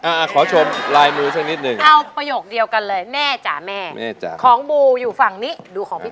อ่าขอชมลายมือซักนิดนึง